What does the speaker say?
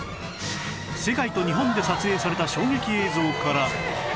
世界と日本で撮影された衝撃映像から